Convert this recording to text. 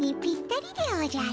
いやでおじゃる。